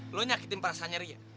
lu nyakitin perasaannya ria